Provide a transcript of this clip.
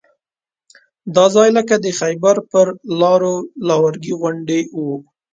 دا ځای لکه د خیبر پر لاره لواړګي غوندې وو.